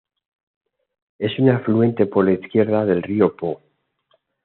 Es un afluente por la izquierda del río Po.